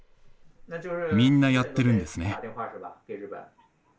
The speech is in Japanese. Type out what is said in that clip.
みんなやってるんですね？